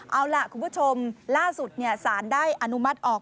เอาล่ะคุณผู้ชมล่าสุดสารได้อนุมัติออก